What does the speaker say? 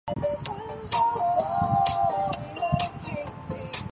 大阪成蹊短期大学是一所位于日本大阪府大阪市东淀川区的私立短期大学。